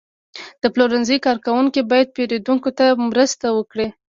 د پلورنځي کارکوونکي باید پیرودونکو ته مرسته وکړي.